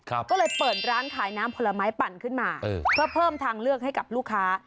ก็เลยเปิดร้านขายน้ำผลไม้ปั่นขึ้นมาเออเพื่อเพิ่มทางเลือกให้กับลูกค้า